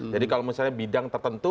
jadi kalau misalnya bidang tertentu